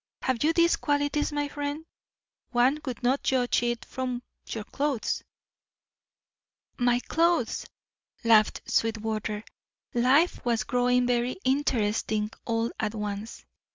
Have you these qualities, my friend? One would not judge it from your clothes." "My clothes!" laughed Sweetwater. Life was growing very interesting all at once.